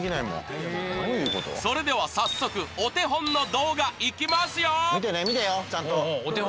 それでは早速お手本の動画いきますよ！